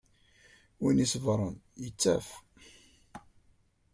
Win i iṣebbren yettaf.